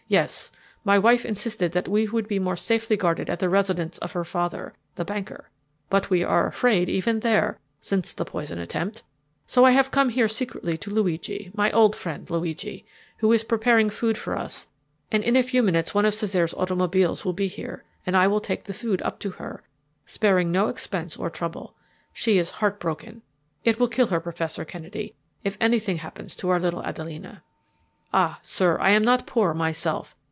"Yes. My wife insisted that we would be more safely guarded at the residence of her father, the banker. But we are afraid even there since the poison attempt. So I have come here secretly to Luigi, my old friend Luigi, who is preparing food for us, and in a few minutes one of Cesare's automobiles will be here, and I will take the food up to her sparing no expense or trouble. She is heartbroken. It will kill her, Professor Kennedy, if anything happens to our little Adelina. "Ah, sir, I am not poor myself.